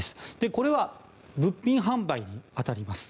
これは、物品販売に当たります。